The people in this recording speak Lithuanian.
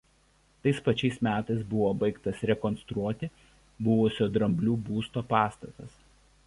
Tais pačiais metais buvo baigtas rekonstruoti buvusio dramblių būsto pastatas.